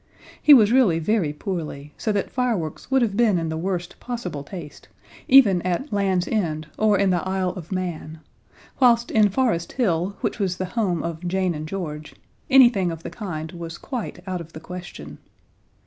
He was really very poorly, so that fireworks would have been in the worst possible taste, even at Land's End or in the Isle of Man, whilst in Forest Hill, which was the home of Jane and George, anything of the kind was quite out of the question.